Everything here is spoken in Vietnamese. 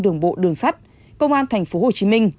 đường bộ đường sắt công an tp hcm